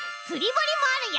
ぼりもあるよ！